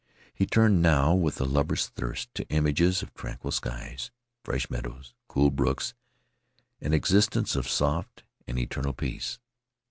He turned now with a lover's thirst to images of tranquil skies, fresh meadows, cool brooks an existence of soft and eternal peace.